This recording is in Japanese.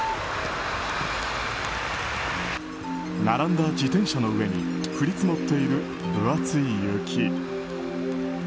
並んだ自転車の上に降り積もっている分厚い雪。